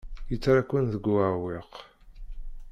Yettarra-ken deg uɛewwiq.